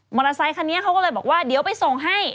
อเตอร์ไซคันนี้เขาก็เลยบอกว่าเดี๋ยวไปส่งให้